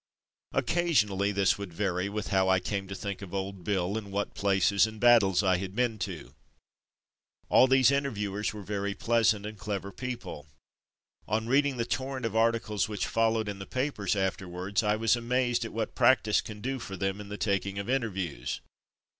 Occasionally this would vary with how I came to think of Old Bill, and what places and battles I had been to. All these interviewers were very pleasant and clever people. On reading the torrent of articles which followed in the papers after wards, I was amazed at what practice can do for them, in the taking of interviews.